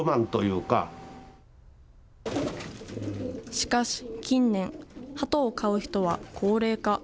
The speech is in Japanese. しかし、近年、ハトを飼う人は高齢化。